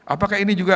apakah ini juga